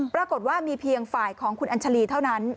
ปรากฏว่ามีเพียงฝ่ายของคุณอัญชาลีเท่านั้น